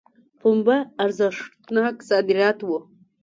پنبه ارزښتناک صادرات وو.